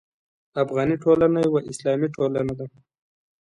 افغاني ټولنه یوه اسلامي ټولنه ده.